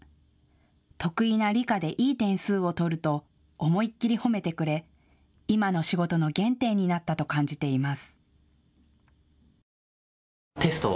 得意な理科でいい点数を取ると思いっきり褒めてくれ、今の仕事の原点になったと感じています。